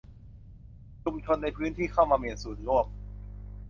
ชุมชนในพื้นที่เข้ามามีส่วนร่วม